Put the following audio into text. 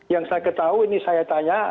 yang saya ketahui ini saya tanya